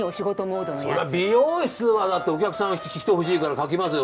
そりゃ美容室はだってお客さん来てほしいから書きますよ